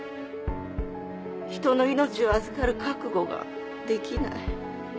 人の命を預かる覚悟ができない